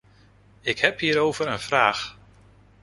Ik heb hierover een vraag.